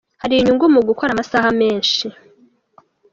Hari inyungu mu gukora amasaha menshi.